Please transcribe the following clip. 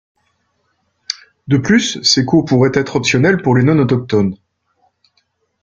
De plus, ces cours pourraient être optionnels pour les non-autochtones.